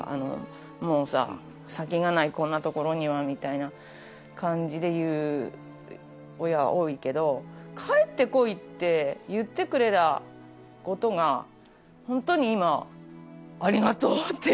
もうさ先がないこんな所にはみたいな感じで言う親は多いけど帰ってこいって言ってくれたことが本当に今ありがとうって思う。